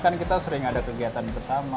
kan kita sering ada kegiatan bersama